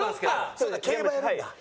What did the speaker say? そうだ競馬やるんだ。